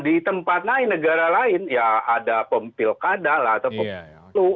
di tempat lain negara lain ya ada pemilkadal atau pemilu